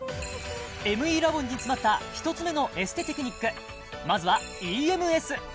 ＭＥラボンに詰まった１つ目のエステテクニックまずはＥＭＳ